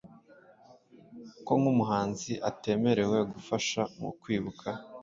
ko nk'umuhanzi atemerewe gufasha mu kwibuka.